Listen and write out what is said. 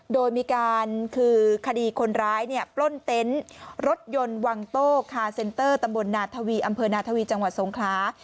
โดยมีการคือคดีคนร้ายเนี่ยปล้นเต็นต์รถยนต์วังโต้คาเซนเตอร์ตำบลนาทวีอำเภอนาทวีจังหวัดสงคลา